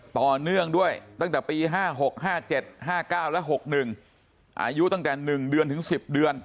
ต่อเนื่องด้วยตั้งแต่ปีห้าหกห้าเจ็ดห้าเก้าและหกหนึ่งอายุตั้งแต่หนึ่งเดือนถึงสิบเดือน